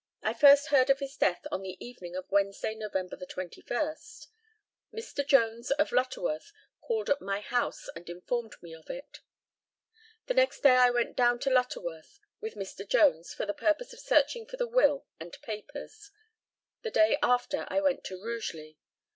I first heard of his death on the evening of Wednesday, November 21. Mr. Jones, of Lutterworth, called at my house and informed me of it. The next day I went down to Lutterworth with Mr. Jones for the purpose of searching for the will and papers. The day after I went to Rugeley.